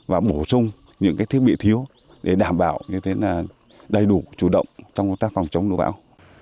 và bổ sung những cái thiết bị thiếu để đảm bảo như thế là đầy đủ chủ động trong công tác phòng chống lũ bão